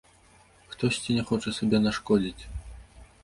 Хтосьці не хоча сабе нашкодзіць.